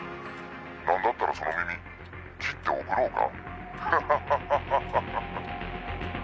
「なんだったらその耳切って送ろうか？」